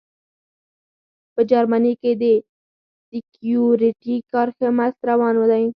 په جرمني کې د سیکیورټي کار ښه مست روان دی